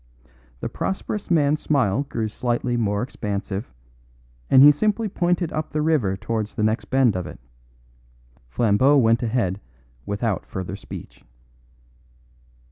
The prosperous man's smile grew slightly more expansive, and he simply pointed up the river towards the next bend of it. Flambeau went ahead without further speech.